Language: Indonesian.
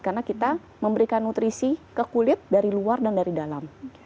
karena memberikan nutrisi ke kulit dari luar dan dari dalam